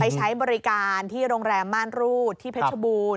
ใช้บริการที่โรงแรมม่านรูดที่เพชรบูรณ์